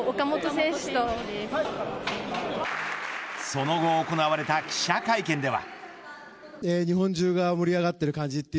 その後行われた記者会見では。